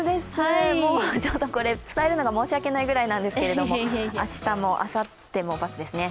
伝えるのが申し訳ないくらいなんですけれども、明日もあさっても×ですね。